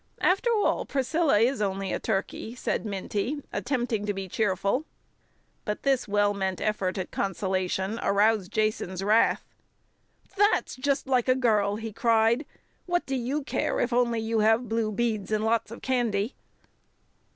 After all, Priscilla is only a turkey," said Minty, attempting to be cheerful. But this well meant effort at consolation aroused Jason's wrath. "That's just like a girl!" he cried. "What do you care if you only have blue beads and lots of candy?"